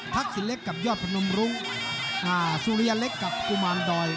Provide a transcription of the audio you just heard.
สินเล็กกับยอดพนมรุ้งสุริยเล็กกับกุมารดอย